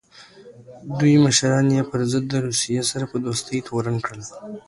دوی مشران یې پر ضد د روسیې سره په دوستۍ تورن کړل.